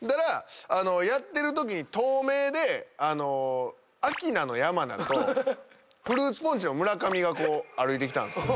やってるときに遠めでアキナの山名とフルーツポンチの村上がこう歩いてきたんですよ。